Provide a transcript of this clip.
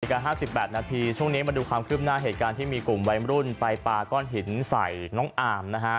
การ๕๘นาทีช่วงนี้มาดูความคืบหน้าเหตุการณ์ที่มีกลุ่มวัยรุ่นไปปาก้อนหินใส่น้องอาร์มนะฮะ